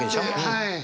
はい。